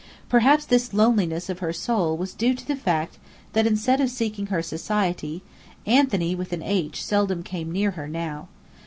Perhaps this loneliness of her soul was due to the fact that instead of seeking her society, "Anthony with an H" seldom came near her now.